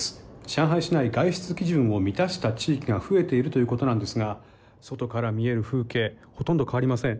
上海市内、外出基準を満たした地域が増えているということなんですが外から見える風景ほとんど変わりません。